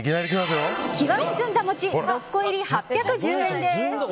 極ずんだ餅６個入り８１０円です。